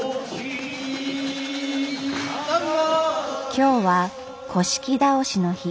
今日は倒しの日。